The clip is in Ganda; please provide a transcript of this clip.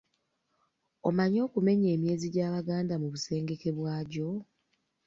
Omanyi okumenya emyezi gy'Abaganda mu busengeke bwagyo?